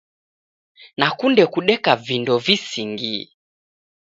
Nakunde kudeka vindo visingie